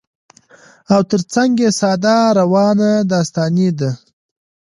او تر څنګ يې ساده، روانه داستاني ده